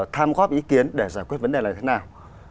tham góp ý kiến để giải quyết vấn đề này thế nào